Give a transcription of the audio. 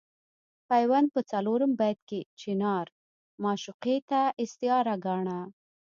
پیوند په څلورم بیت کې چنار معشوقې ته استعاره ګاڼه.